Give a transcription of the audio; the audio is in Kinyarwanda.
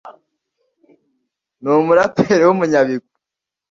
ni umuraperi w’umunyabigwi